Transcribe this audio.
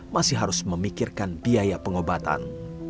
masih harus memikirkan biaya pengobatan